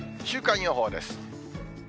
週間予報です。